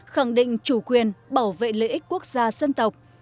khẳng định chủ quyền bảo vệ lợi ích quốc gia dân tộc